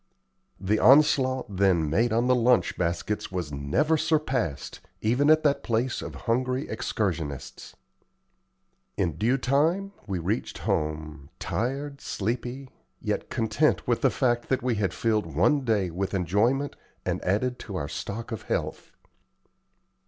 The onslaught then made on the lunch baskets was never surpassed, even at that place of hungry excursionists. In due time we reached home, tired, sleepy, yet content with the fact that we had filled one day with enjoyment and added to our stock of health.